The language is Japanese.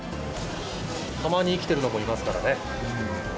たまに生きてるのもいますか